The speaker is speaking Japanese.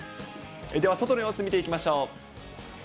では外の様子、見ていきましょう。